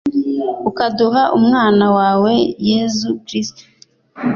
ukaduha umwana wawe yezu kristu